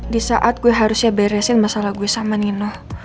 di saat gue harusnya beresin masalah gue sama nino